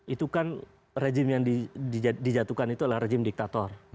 itu kan rejim yang dijatuhkan itu adalah rejim diktator